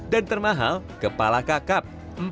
dan termahal kepala kakap